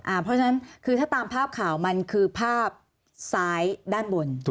เพราะฉะนั้นคือถ้าตามภาพข่าวมันคือภาพซ้ายด้านบน